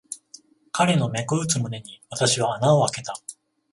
彼の脈打つ胸に、私は穴をあけた。